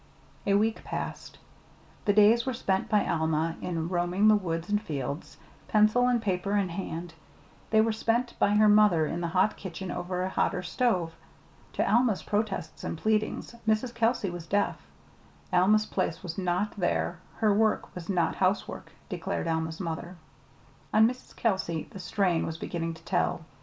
A week passed. The days were spent by Alma in roaming the woods and fields, pencil and paper in hand; they were spent by her mother in the hot kitchen over a hotter stove. To Alma's protests and pleadings Mrs. Kelsey was deaf. Alma's place was not there, her work was not housework, declared Alma's mother. On Mrs. Kelsey the strain was beginning to tell.